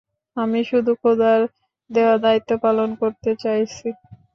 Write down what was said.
আমি শুধু খোদার দেয়া দায়িত্ব পালন করতে চাইছি।